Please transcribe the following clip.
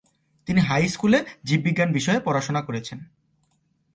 তিনি হাইস্কুলে জীববিজ্ঞান বিষয়ে পড়াশুনা করেছেন।